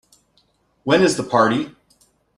When is the party?